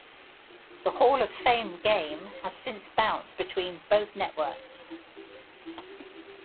The Hall of Fame Game has since bounced between both networks.